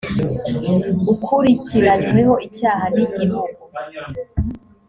ukurikiranyweho icyaha n igihugu